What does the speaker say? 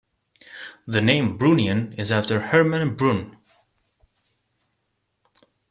The name "Brunnian" is after Hermann Brunn.